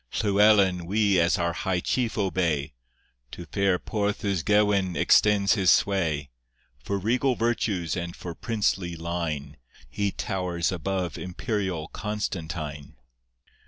Llywelyn we as our high chief obey, To fair Porth Ysgewin extends his sway; For regal virtues and for princely line He towers above imperial Constantine.